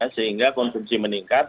sehingga konsumsi meningkat